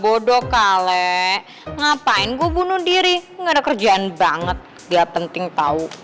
bodoh kale ngapain gue bunuh diri gak ada kerjaan banget gak penting tau